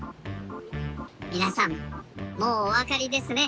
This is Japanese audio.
みなさんもうおわかりですね。